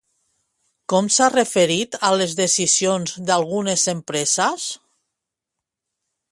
Com s'ha referit a les decisions d'algunes empreses?